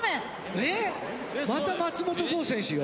えっまた松本剛選手よ。